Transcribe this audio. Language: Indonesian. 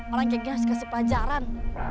orang kayak gini harus kasih pelajaran